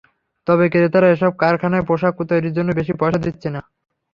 তবে ক্রেতারা এসব কারখানায় পোশাক তৈরির জন্য বেশি পয়সা দিচ্ছে না।